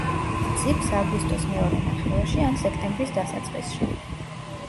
მწიფს აგვისტოს მეორე ნახევარში ან სექტემბრის დასაწყისში.